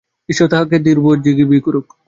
ঈশ্বর তাকে দীর্ঘজীবী করুক।